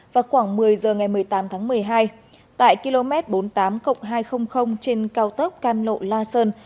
vào khoảng một mươi h ngày một mươi tám tháng một mươi hai tại km bốn mươi tám hai trăm linh trên cao tốc cam lộ la sơn